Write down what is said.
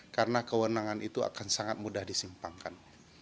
karena kewenangan itu akan sangat mudah disimpangkan